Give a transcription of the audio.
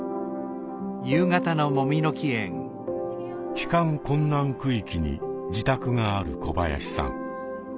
帰還困難区域に自宅がある小林さん。